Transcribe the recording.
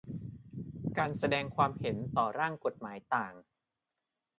การแสดงความเห็นต่อร่างกฎหมายต่าง